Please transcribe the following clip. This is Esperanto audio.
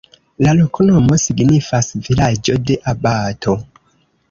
La loknomo signifas: vilaĝo de abato.